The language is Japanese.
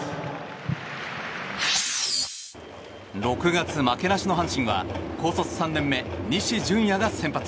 ６月負けなしの阪神は高卒３年目、西純矢が先発。